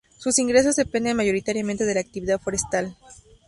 Sus ingresos dependen mayoritariamente de la actividad forestal.